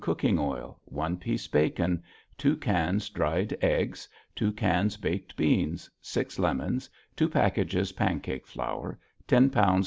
cooking oil 1 piece bacon 2 cans dried eggs 2 cans baked beans 6 lemons 2 packages pancake flour 10 lbs.